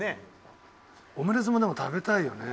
オムレツもでも食べたいよね。